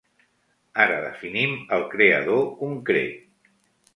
Ara definim el creador concret.